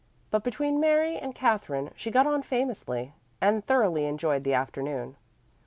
But between Mary and Katherine she got on famously, and thoroughly enjoyed the afternoon.